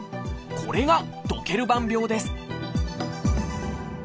これがドケルバン病です